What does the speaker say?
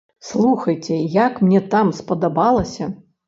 Слухайце, як мне там спадабалася!